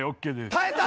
耐えた！